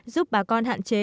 giúp bà con hạn chế nhiễm